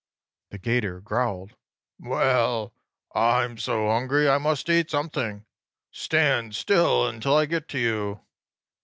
The 'Gator growled: "Well, I'm so hungry I must eat something! Stand still until I get you!"